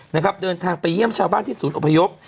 นะครับเดินทางไปเยี่ยมชาวบ้านที่ศูนย์อพยพ